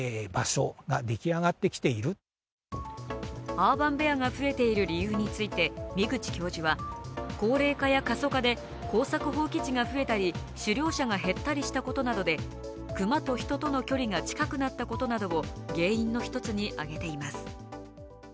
アーバンベアが増えている理由について、箕口教授は高齢化や過疎化で耕作放棄地が増えたり、狩猟者が減ったりしたことなどで熊と人との距離が近くなったことなどを原因の一つに挙げています。